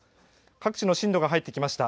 各地の震度が入ってきました。